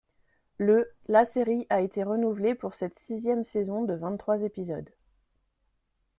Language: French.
Le , la série a été renouvelée pour cette sixième saison de vingt-trois épisodes.